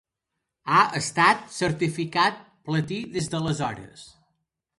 Ha estat certificat platí des d'aleshores.